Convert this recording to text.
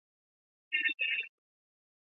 郑绥挟持黎槱退往安朗县。